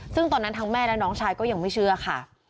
ซึ่งตอนนั้นทั้งแม่และน้องชายก็ยังไม่เชื่อค่ะ